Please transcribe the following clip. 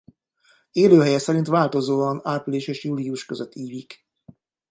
Élőhelye szerint változóan április és július között ívik.